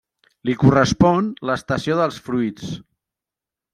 Li correspon l'estació dels fruits.